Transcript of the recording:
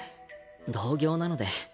同業なので。